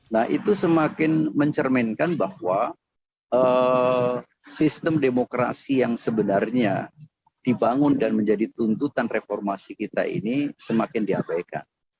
nah itu semakin mencerminkan bahwa sistem demokrasi yang sebenarnya dibangun dan menjadi tuntutan reformasi kita ini semakin diabaikan